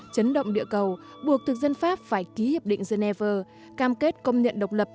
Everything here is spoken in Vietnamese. chấn động địa cầu buộc thực dân pháp phải ký hiệp định geneva cam kết công nhận độc lập